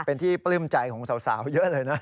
เป็นที่ปลื้มใจของสาวเยอะเลยนะ